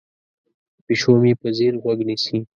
پیشو مې په ځیر غوږ نیسي.